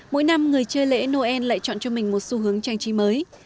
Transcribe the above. mỗi năm người chơi lễ noel lại chọn cho mình một xu hướng trang trí mới